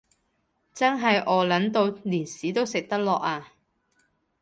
真係餓 𨶙 到連屎都食得落呀